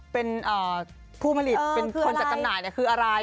เป็นผู้ผลิตเป็นคนจัดจำหน่ายคืออะไร